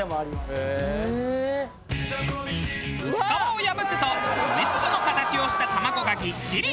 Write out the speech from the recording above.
薄皮を破くと米粒の形をした卵がぎっしり。